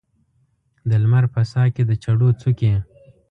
د لمر په ساه کې د چړو څوکې